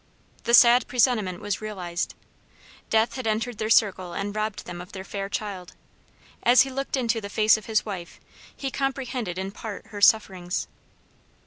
The sad presentiment was realized. Death had entered their circle and robbed them of their fair child! As he looked into the face of his wife, he comprehended in part her sufferings.